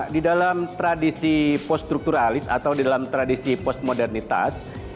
di dalam tradisi poststrukturalis atau di dalam tradisi postmodernitas